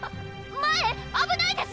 前あぶないです！